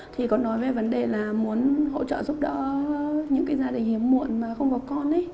thì có nói về vấn đề là muốn hỗ trợ giúp đỡ những cái gia đình hiếm muộn mà không có con ý